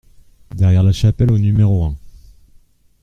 Derrière La Chapelle au numéro un